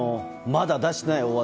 まだ出してない